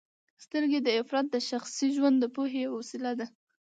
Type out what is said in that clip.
سترګې د یو فرد د شخصي ژوند د پوهې یوه وسیله ده.